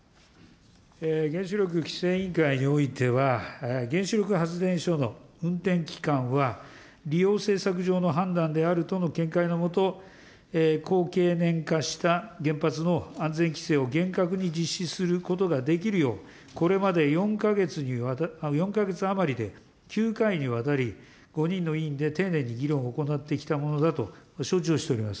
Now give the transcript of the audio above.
原子力規制委員会においては、原子力発電所の運転期間は、利用政策上の判断であるとの見解のもと、高経年化した原発の安全規制を厳格に実施することができるよう、これまで４か月余りで９回にわたり、５人の委員で丁寧に議論を行ってきたものだと承知をしております。